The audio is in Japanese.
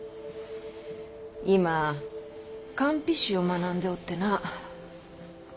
今韓非子を学んでおってな。